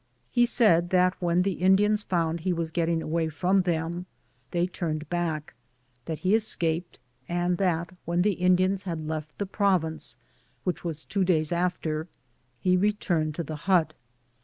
He said that when the Indiana found he waa getting away from them, they iurned back« «*that he escaped^ and that wh^i the Indiana bad left the provinces which was two days after, he returned to the hut.